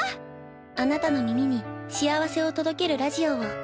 あなたの耳に幸せを届けるラジオを。